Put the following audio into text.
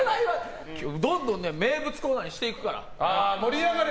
どんどん名物コーナーにしていくから。